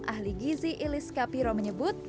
ahli gizi ilis kapiro menyebut